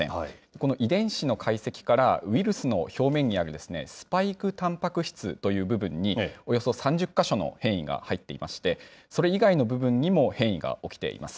この遺伝子の解析から、ウイルスの表面にあるスパイクたんぱく質という部分に、およそ３０か所の変異が入っていまして、それ以外の部分にも変異が起きています。